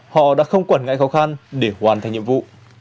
họ đã không quản ngại khó khăn để hoàn thành nhiệm vụ